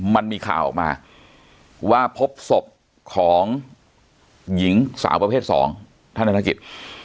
มันมีข่าวออกมาว่าพบศพของหญิงสาวประเภทสองท่านธนกิจ